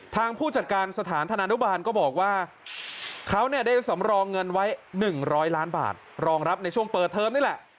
ผู้จัดการสถานธนานุบาลก็บอกว่าเขาเนี่ยได้สำรองเงินไว้๑๐๐ล้านบาทรองรับในช่วงเปิดเทอมนี่แหละ